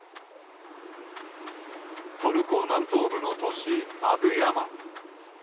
トルコ南東部の都市アドゥヤマン。